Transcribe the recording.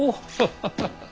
ハハハハ。